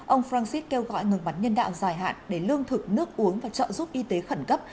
ông francis kêu gọi ngừng bắn nhân đạo dài hạn để lương thực nước uống và trợ giúp y tế khẩn cấp